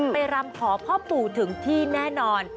รำขอพ่อปู่ถึงที่แน่นอน